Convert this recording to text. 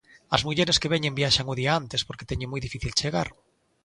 As mulleres que veñen viaxan o día antes, porque teñen moi difícil chegar.